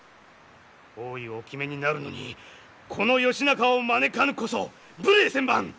王位をお決めになるのにこの義仲を招かぬこそ無礼千万！